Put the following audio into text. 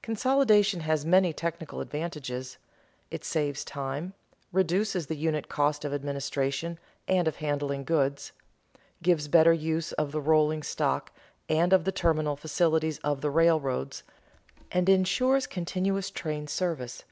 Consolidation has many technical advantages: it saves time, reduces the unit cost of administration and of handling goods, gives better use of the rolling stock and of the terminal facilities of the railroads, and insures continuous train service.